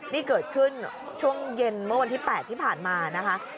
นี่เกิดขึ้นช่วงเย็นเมื่อวันที่๘ที่ผ่านมานะคะ